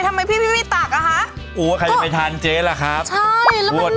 ทำไมพี่พี่พี่ตักอ่ะฮะกูว่ากลับไปทานเจ๊ล่ะครับใช่